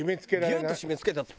ギュッと締め付けたって。